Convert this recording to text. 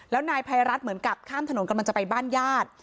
แล้วนายภัยรัฐเหมือนกับข้ามถนนกำลังจะไปบ้านญาติ